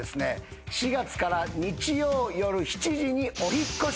４月から日曜夜７時にお引っ越し